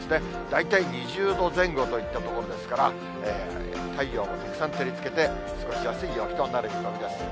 大体２０度前後といったところですから、太陽もたくさん照りつけて、過ごしやすい陽気となる見込みです。